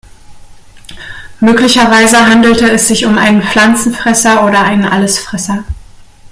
Möglicherweise handelte es sich um einen Pflanzenfresser oder einen Allesfresser.